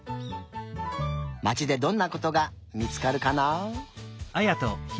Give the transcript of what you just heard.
まちでどんなことが見つかるかな？